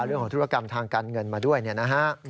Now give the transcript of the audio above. เรื่องของธุรกรรมทางการเงินมาด้วยนะฮะ